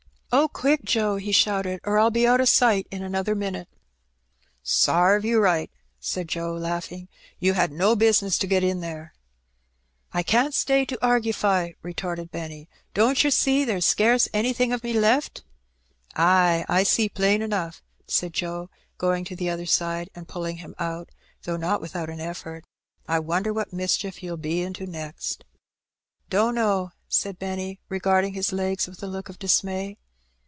" Oh, quick, Joe !'* he shouted, " or TU be out o' sight in another minit.'^ 106 Her Benny. "Sarve you right !^' said Joe, lauglung; "you had no business to get in there/' "I can't stay to argify/' retorted Benny; "don't yer see there's scarce anything of me left?" " Ay, I see plain enough," said Joe, going to the other side, and pulling him out, though not without an effort. "I wonder what mischief you'll be into next?" "Dunno,'^ said Benny, regarding his legs with a look of dismay.